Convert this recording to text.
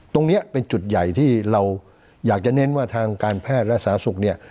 ตรงนี้เป็นจุดใหญ่ที่เราอยากจะเน้นว่าทางการแพทย์และสาธารณสุขเนี่ย